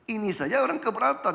ini saja orang keberatan